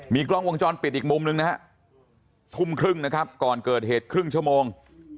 กล้องวงจรปิดอีกมุมหนึ่งนะฮะทุ่มครึ่งนะครับก่อนเกิดเหตุครึ่งชั่วโมง